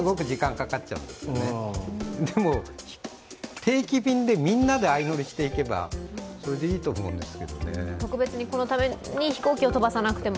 でも、定期便でみんなで相乗りしていけば、それでいいと思うんですけどね。